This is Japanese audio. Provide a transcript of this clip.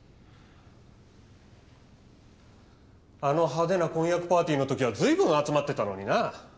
あの派手な婚約パーティーのときは随分集まってたのにな。